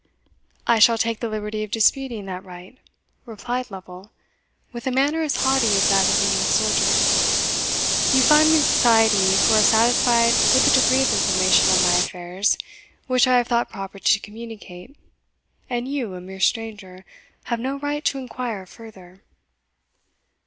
"I shall take the liberty of disputing that right," replied Lovel, with a manner as haughty as that of the young soldier; "you find me in society who are satisfied with the degree of information on my affairs which I have thought proper to communicate, and you, a mere stranger, have no right to inquire further."